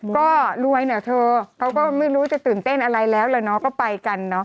ก็รวยนะเธอเขาก็ไม่รู้จะตื่นเต้นอะไรแล้วเขาก็ไปกัน